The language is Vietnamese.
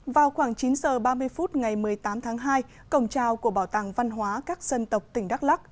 vào khoảng chín h ba mươi phút ngày một mươi tám tháng hai cổng trào của bảo tàng văn hóa các dân tộc tỉnh đắk lắc